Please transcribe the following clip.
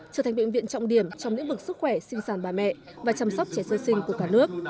trở thành bệnh viện trọng điểm trong lĩnh vực sức khỏe sinh sản bà mẹ và chăm sóc trẻ sơ sinh của cả nước